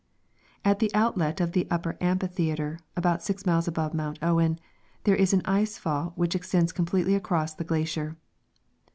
At the outlet of the upper amphitheatre, about 6 miles above Mount Owen, there is an ice fall which extends completely across the glacier.